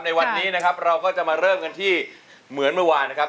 ในวันนี้นะครับเราก็จะมาเริ่มกันที่เหมือนเมื่อวานนะครับ